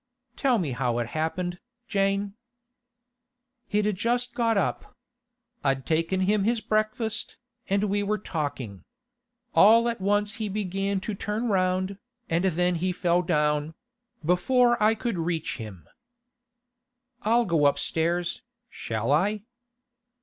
'Tell me how it happened, Jane.' 'He'd just got up. I'd taken him his breakfast, and we were talking. All at once he began to turn round, and then he fell down—before I could reach him.' 'I'll go upstairs, shall I?